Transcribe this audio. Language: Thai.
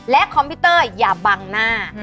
และคอมพิวเตอร์อย่าบังหน้า